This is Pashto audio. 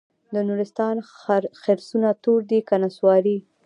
د نورستان خرسونه تور دي که نسواري؟